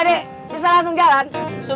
cepetan ya bang